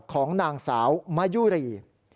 ของนางสาวมะยุรี